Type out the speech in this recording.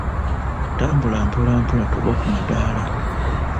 Tambula mpola mpola togwa ku madaala.